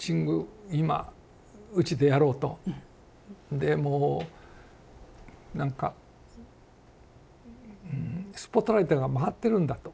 でもうなんか「スポットライトが回ってるんだ」と。